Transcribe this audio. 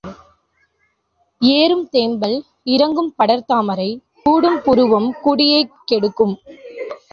ஏறும் தேமல், இறங்கும் படர் தாமரை, கூடும் புருவம் குடியைக் கெடுக்கும்.